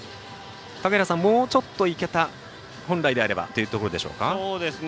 もうちょっといけた、本来ならばというところでしょうか。